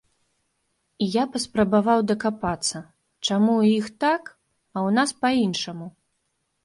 І я паспрабаваў дакапацца, чаму ў іх так, а ў нас па-іншаму.